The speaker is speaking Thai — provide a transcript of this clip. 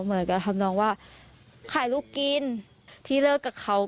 เหมือนกับทำนองว่าขายลูกกินที่เลิกกับเขา